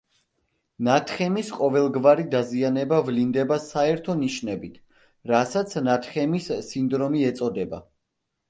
ნათხემის ყოველგვარი დაზიანება ვლინდება საერთო ნიშნებით, რასაც ნათხემის სინდრომი ეწოდება.